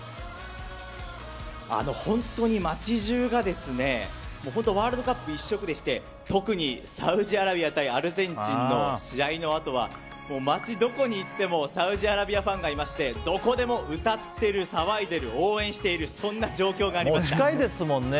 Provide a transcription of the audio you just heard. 本当に街中がワールドカップ一色でして特にサウジアラビア対アルゼンチンの試合のあとは街のどこに行ってもサウジアラビアファンがいましてどこでも歌っている騒いでる、応援している近いですもんね。